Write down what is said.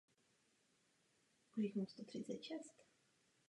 Na Yale byl členem klubu Delta Kappa Epsilon.